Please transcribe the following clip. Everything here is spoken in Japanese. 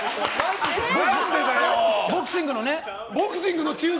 ボクシングのね。